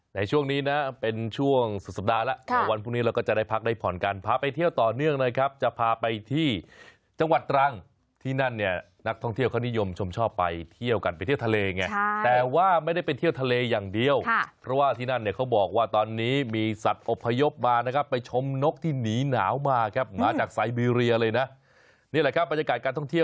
ในช่วงนี้นะเป็นช่วงสุดสัปดาห์แล้ววันพรุ่งนี้เราก็จะได้พักได้ผ่อนกันพาไปเที่ยวต่อเนื่องนะครับจะพาไปที่จังหวัดตรังที่นั่นเนี่ยนักท่องเที่ยวเขานิยมชมชอบไปเที่ยวกันไปเที่ยวทะเลไงใช่แต่ว่าไม่ได้เป็นเที่ยวทะเลอย่างเดียวค่ะเพราะว่าที่นั่นเนี่ยเขาบอกว่าตอนนี้มีสัตว์อบพยพมานะครับไปชมนกท